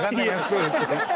そうですそうです。